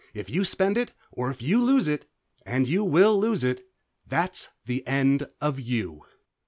If you spend it or if you lose it, and you will lose it that's the end of you."